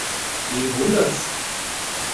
Wen wundert's?